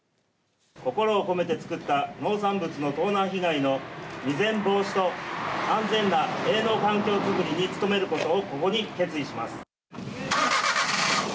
心を込めて作った農産物の盗難被害の未然防止と安全な営農環境づくりに努めることをここに決意します。